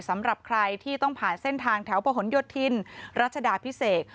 สำหรับใครที่ต้องผ่านเส้นทางแถวประหลโยธินรัชดาพิเศษ